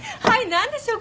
何でしょう？